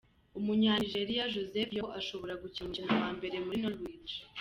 Umunya Nigeria Joseph Yobo ashobora gukina umukino wa mbere muri Norwich.